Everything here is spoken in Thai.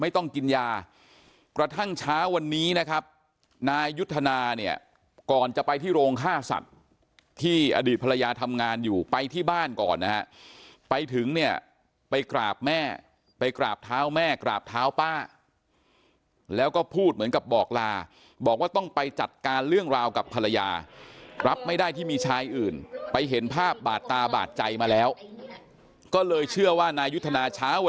ต้องกินยากระทั่งเช้าวันนี้นะครับนายยุทธนาเนี่ยก่อนจะไปที่โรงฆ่าสัตว์ที่อดีตภรรยาทำงานอยู่ไปที่บ้านก่อนนะฮะไปถึงเนี่ยไปกราบแม่ไปกราบเท้าแม่กราบเท้าป้าแล้วก็พูดเหมือนกับบอกลาบอกว่าต้องไปจัดการเรื่องราวกับภรรยารับไม่ได้ที่มีชายอื่นไปเห็นภาพบาดตาบาดใจมาแล้วก็เลยเชื่อว่านายุทธ